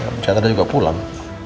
bu sandra juga pulang